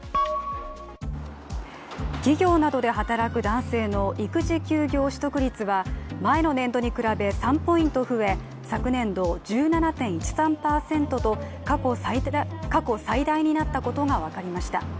企業などで働く男性の育児休業取得率は前の年度に比べ３ポイント増え、昨年度１７．１３％と過去最大になったことが分かりました。